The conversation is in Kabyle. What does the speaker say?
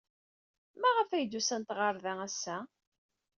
Maɣef ay d-usant ɣer da ass-a?